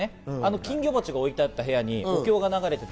金魚鉢が置いてあった部屋にお経が流れていた。